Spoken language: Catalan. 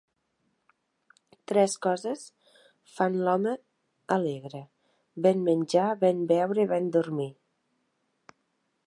Tres coses fan l'home alegre: ben menjar, ben beure i ben dormir.